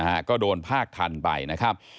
ฮะก็โดนภาคทันไปนะครับ